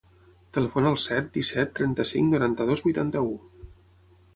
Telefona al set, disset, trenta-cinc, noranta-dos, vuitanta-u.